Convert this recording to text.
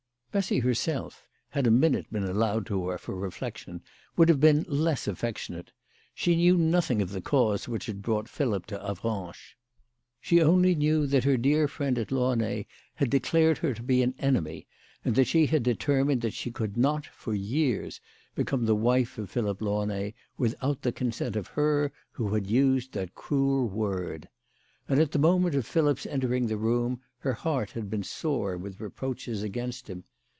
Bessy herself, had a minute been allowed to her for reflection, would have been less affectionate. She knew nothing of the cause which had brought Philip to Avranches. She only knew that her dear friend at Launay had declared her to be an enemy, and that she tad determined that she could not, for years, become THE LADY OF LAUNAY. 183 the wife of Philip Launay, without the consent of her who had used that cruel word. And at the moment of Philip's entering the room her heart had been sore with reproaches against him.